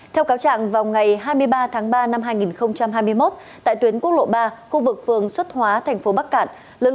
theo cáo trạng vào ngày hai mươi ba tháng ba năm hai nghìn hai mươi một tại tuyến quốc lộ ba khu vực phường xuất hóa thành phố bắc cạn